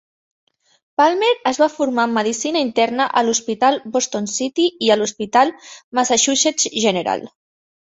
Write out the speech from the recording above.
Palmer es va formar en medicina interna a l'hospital Boston City i a l'hospital Massachusetts General.